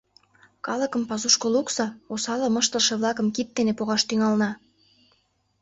Калыкым пасушко лукса, осалым ыштылше-влакым кид дене погаш тӱҥалына.